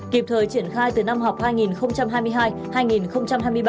kịp thời triển khai từ năm học hai nghìn hai mươi hai hai nghìn hai mươi ba